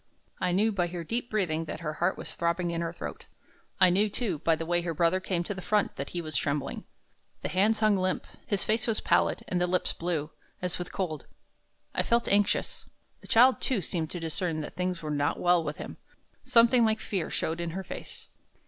I knew by her deep breathing that her heart was throbbing in her throat. I knew, too, by the way her brother came to the front, that he was trembling. The hands hung limp: his face was pallid, and the lips blue, as with cold. I felt anxious. The child, too, seemed to discern that things were not well with him. Something like fear showed in her face.